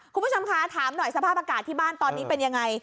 คุณผู้ชมคะถามหน่อยสภาพอากาศที่บ้านตอนนี้เป็นยังไง